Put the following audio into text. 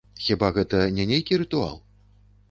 Хіба гэта не нейкі рытуал?